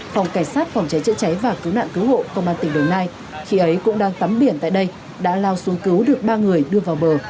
phòng cảnh sát phòng cháy chữa cháy và cứu nạn cứu hộ công an tỉnh đồng nai khi ấy cũng đang tắm biển tại đây đã lao xuống cứu được ba người đưa vào bờ